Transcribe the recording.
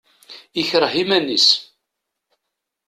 Ikreh iman-is.